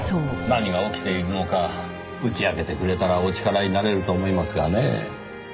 何が起きているのか打ち明けてくれたらお力になれると思いますがねぇ。